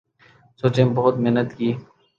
سوچیں بہت محنت کی